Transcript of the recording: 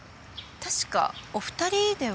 確かお二人では。